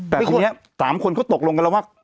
แต่ทีนี้๓คนเขาตกลงกันแล้วว่า